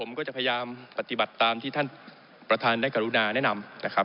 ผมก็จะพยายามปฏิบัติตามที่ท่านประธานได้กรุณาแนะนำนะครับ